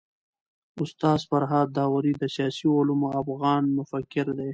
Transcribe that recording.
استاد فرهاد داوري د سياسي علومو افغان مفکر دی.